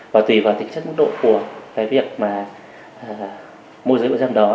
và tùy vào tính chất mức độ của môi giới bệnh dâm đó